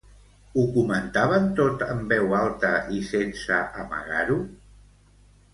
Ho comentaven tot en veu alta i sense amagar-ho?